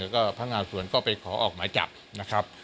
ก็พนักงานสวนก็ไปขอออกหมายจับนะครับ